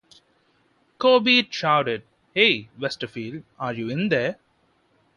Kobylt shouted, Hey, Westerfield, are you in there?